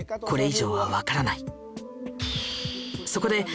これ以上はわからない。